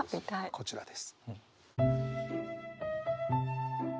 こちらです。